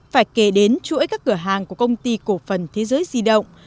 phải kể đến chuỗi các cửa hàng của công ty cổ phần thế giới di động